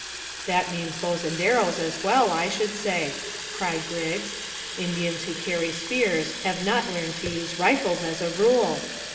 "That means bows and arrows as well, I should say," cried Griggs. "Indians who carry spears have not learned to use rifles, as a rule.